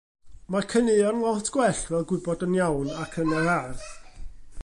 Mae caneuon lot gwell fel Gwybod yn Iawn ac Yn yr Ardd.